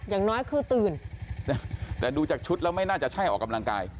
อย่างน้อยคือตื่นแต่ดูจากชุดแล้วไม่น่าจะใช่ออกกำลังกาย